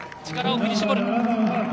力を振り絞る。